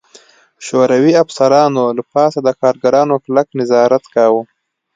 شوروي افسرانو له پاسه د کارګرانو کلک نظارت کاوه